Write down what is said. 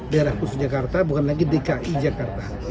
daerah khusus jakarta bukan lagi dki jakarta